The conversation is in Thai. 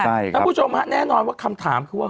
แล้วก็คุณผู้ชมครับแน่นอนว่าคำถามคือว่า